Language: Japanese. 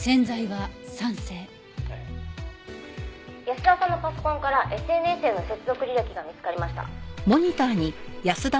「保田さんのパソコンからＳＮＳへの接続履歴が見つかりました」